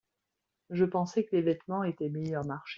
Je pensais que les vêtements étaient meilleur marché.